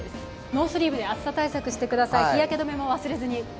ノースリーブで暑さ対策してください、日焼け止めも忘れずに。